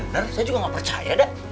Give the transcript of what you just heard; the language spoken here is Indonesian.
bener saya juga gak percaya dah